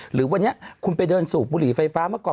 หรือวันนี้คุณไปเดินสูบบุหรี่ไฟฟ้าเมื่อก่อน